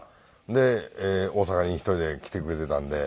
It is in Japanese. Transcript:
で大阪に１人で来てくれていたんで。